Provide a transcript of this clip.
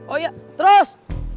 oh iya terus